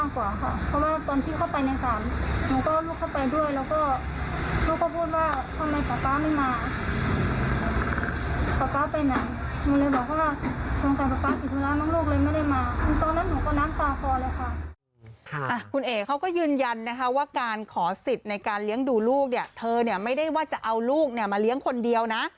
คุณเอกเขาก็ยืนยันนะคะว่าการขอสิทธิ์ในการเลี้ยงดูลูกเนี่ยเธอเนี่ยไม่ได้ว่าจะเอาลูกเนี่ยมาเลี้ยงคนเดียวนะ